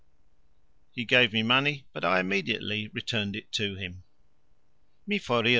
He gave me money, but I immediately returned it to him.